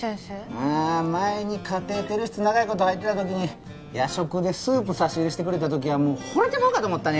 ああ前にカテーテル室長いこと入ってた時に夜食でスープ差し入れしてくれた時はもうホレてまうかと思ったね